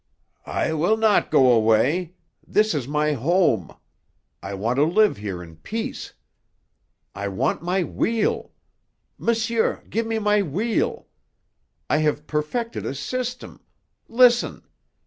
"I will not go away. This is my home. I want to live here in peace. I want my wheel! Monsieur, give me my wheel. I have perfected a system. Listen!"